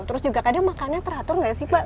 terus juga kadang makannya teratur nggak sih pak